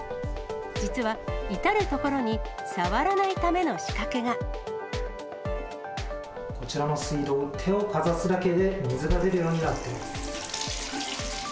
実は、至る所に触らないための仕こちらの水道、手をかざすだけで水が出るようになっています。